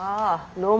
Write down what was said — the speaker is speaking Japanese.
どうも。